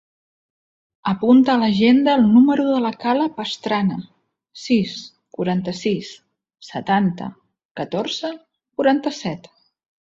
Apunta a l'agenda el número de la Kala Pastrana: sis, quaranta-sis, setanta, catorze, quaranta-set.